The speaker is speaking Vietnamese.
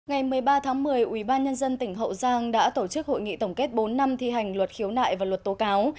ngày một mươi ba tháng một mươi ubnd tỉnh hậu giang đã tổ chức hội nghị tổng kết bốn năm thi hành luật khiếu nại và luật tố cáo